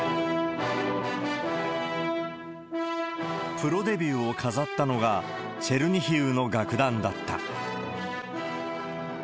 プロデビューを飾ったのが、チェルニヒウの楽団だった。